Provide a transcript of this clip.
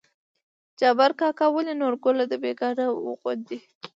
جبار کاکا: ولې نورګله د بيګانه وو غوندې